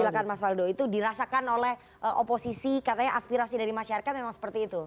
silahkan mas waldo itu dirasakan oleh oposisi katanya aspirasi dari masyarakat memang seperti itu